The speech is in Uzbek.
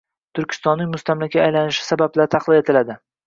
Turkistonning mustamlakaga aylanishi sabablari tahlil etiladi.